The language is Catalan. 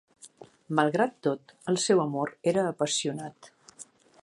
Malgrat tot, el seu amor era apassionat.